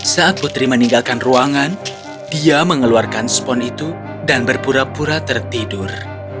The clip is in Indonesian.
saat putri meninggalkan ruangan dia mengeluarkan spon itu dan berpura pura tertidur